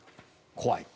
怖い。